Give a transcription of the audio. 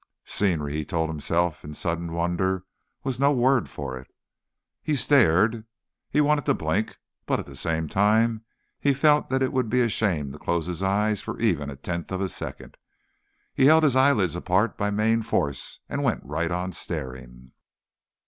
Scenery, he told himself in sudden wonder, was no word for it. He stared. He wanted to blink, but at the same time he felt that it would be a shame to close his eyes for even a tenth of a second. He held his eyelids apart by main force and went right on staring.